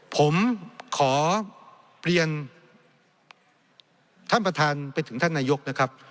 ผมขอเรียนท่านประธานไปถึงท่านนายกนะครับ